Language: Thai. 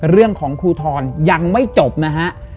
เรื่องของครูทรยังไม่จบนะฮะ